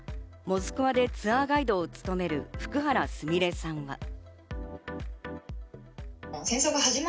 モスクワでツアーガイドを務める福原すみれさんは。